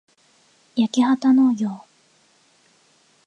やきはたのうぎょう